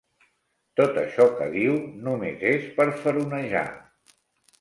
Tot això que diu, només és per faronejar.